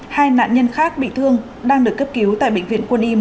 hai nạn nhân khác bị thương đang được cấp cứu tại bệnh viện quân y một trăm linh tám